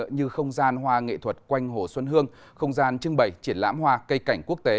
như không gian hoa nghệ thuật quanh hồ xuân hương không gian trưng bày triển lãm hoa cây cảnh quốc tế